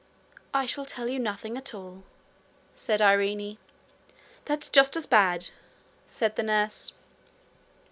'I shall tell you nothing at all,' said Irene. 'That's just as bad,' said the nurse.